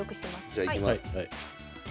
じゃあいきます。